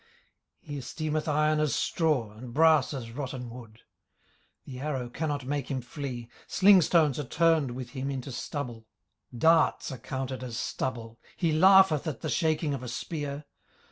18:041:027 He esteemeth iron as straw, and brass as rotten wood. 18:041:028 The arrow cannot make him flee: slingstones are turned with him into stubble. 18:041:029 Darts are counted as stubble: he laugheth at the shaking of a spear.